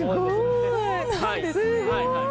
すごい。